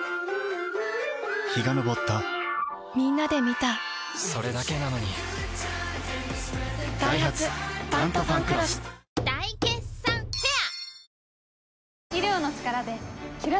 陽が昇ったみんなで観たそれだけなのにダイハツ「タントファンクロス」大決算フェア